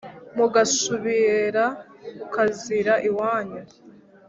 mugashubera ukazira iwanyu